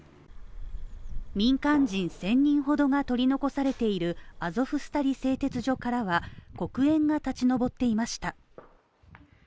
民間人１０００人ほどが取り残されているアゾフスタリ製鉄所からは黒煙が立ち上っていました。